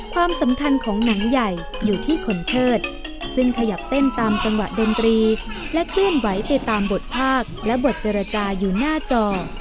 ความสำคัญของหนังใหญ่อยู่ที่คนเชิดซึ่งขยับเต้นตามจังหวะดนตรีและเคลื่อนไหวไปตามบทภาคและบทเจรจาอยู่หน้าจอ